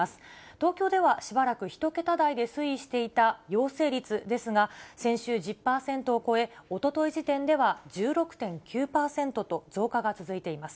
東京ではしばらく１桁台で推移していた陽性率ですが、先週１０％を超え、おととい時点では１６．９％と増加が続いています。